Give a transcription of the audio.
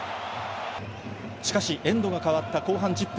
しかしエンドが変わった後半１０分。